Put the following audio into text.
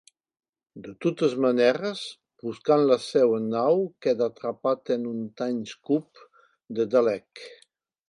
De totes maneres, buscant la seva nau queda atrapat en un 'time scoop' de Dalek.